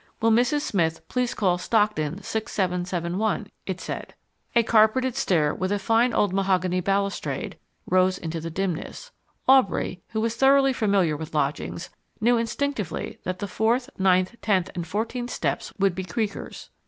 Will Mrs. Smith please call Stockton 6771, it said. A carpeted stair with a fine old mahogany balustrade rose into the dimness. Aubrey, who was thoroughly familiar with lodgings, knew instinctively that the fourth, ninth, tenth, and fourteenth steps would be creakers.